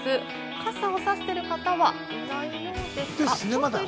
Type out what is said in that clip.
傘をさしてる方はいないようですが。